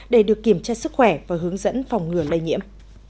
để được kiểm tra sức khỏe và hướng dẫn phòng ngừa lây nhiễm